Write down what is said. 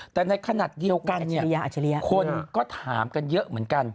แต่ในขณะเดียวกันเนี่ยคนก็ถามกันเยอะเหมือนกัน